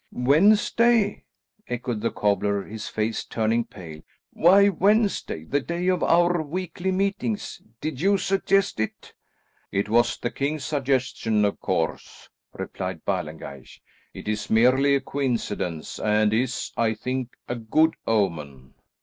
"Wednesday!" echoed the cobbler, his face turning pale. "Why Wednesday, the day of our weekly meetings? Did you suggest it?" "It was the king's suggestion, of course," replied Ballengeich. "It is merely a coincidence, and is, I think, a good omen."